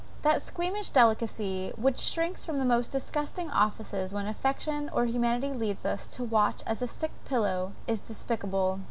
That squeamish delicacy which shrinks from the most disgusting offices when affection or humanity lead us to watch at a sick pillow, is despicable.